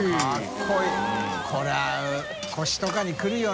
海譴腰とかにくるよな。